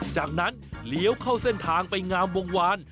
จากนั้นเลี้ยวเข้าเส้นทางไปงามวงวาน